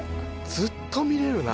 ずっと見れるな。